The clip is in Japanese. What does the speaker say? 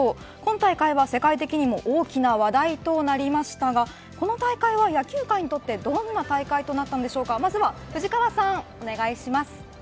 今大会は世界的にも大きな話題となりましたがこの大会は野球界にとってどんな大会となったんでしょうか。